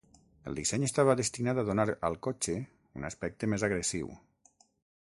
El disseny estava destinat a donar al cotxe un aspecte més agressiu.